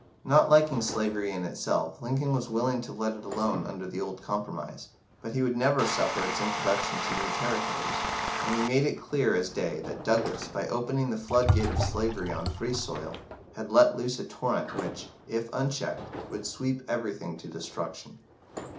Not liking slavery in itself, Lincoln was willing to let it alone under the old compromise, but he would never suffer its introduction to new territories, and he made it clear as day that Douglas, by opening the flood gate of slavery on free soil, had let loose a torrent which, if unchecked, would sweep everything to destruction.